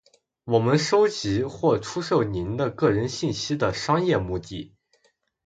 我们收集或出售您的个人信息的商业目的；